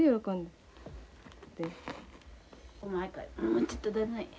もうちっとだない。